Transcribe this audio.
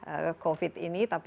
tapi kita harus berhati hati